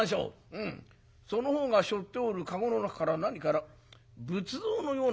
「うんその方がしょっておる籠の中から何かな仏像のようなものが見えるな。